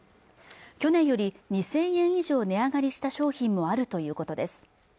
去年より２０００円以上値上がりした商品もあるということです